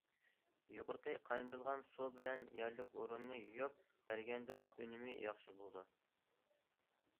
يۇقىرىقى قاينىتىلغان سۇ بىلەن يەرلىك ئورۇننى يۇيۇپ بەرگەندىمۇ ئۈنۈمى ياخشى بولىدۇ.